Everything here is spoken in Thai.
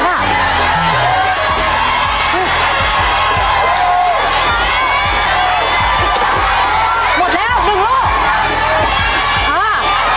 หนึ่งกะล้าผ่านไป